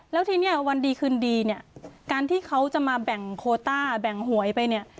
แล้วทีนี้วันดีคืนดีเนี่ยการที่เขาจะมาแบ่งโคต้าแบ่งหวยไปเนี่ย